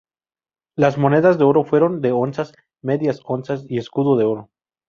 Las monedas de oro fueron de onzas, medias onzas y escudo de oro.